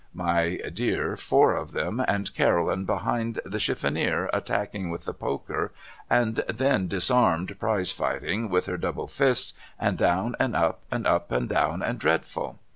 ' My dear four of them and Caroline behind the chiftbniere attacking with the poker and when disarmed prize fighting with her double fists, and down and up and up and down and dreadful